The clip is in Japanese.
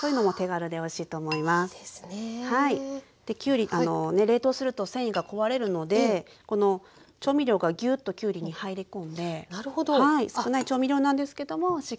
できゅうり冷凍すると繊維が壊れるのでこの調味料がぎゅっときゅうりに入り込んで少ない調味料なんですけどもしっかりソースになります。